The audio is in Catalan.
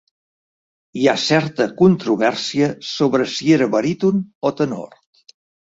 Hi ha certa controvèrsia sobre si era baríton o tenor.